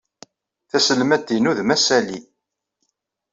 Taselmadt-inu d Massa Li.